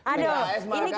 aduh ini kita